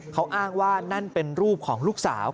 เขาอ้างว่านั่นเป็นรูปของลูกสาว